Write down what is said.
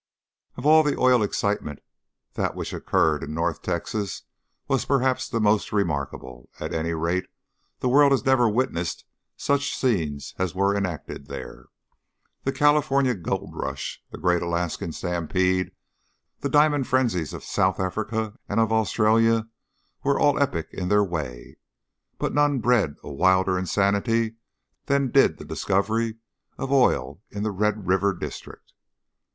Of all the oil excitements, that which occurred in North Texas was perhaps the most remarkable; at any rate, the world has never witnessed such scenes as were enacted there. The California gold rush, the great Alaskan stampede, the diamond frenzies of South Africa and of Australia, all were epic in their way, but none bred a wilder insanity than did the discovery of oil in the Red River district.